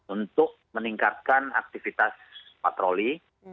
untuk meningkatkan aktivitas patroli